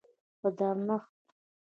په درنښت